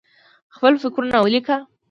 خپل فکرونه ولیکه.